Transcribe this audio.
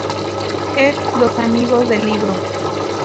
Ed Los Amigos del Libro.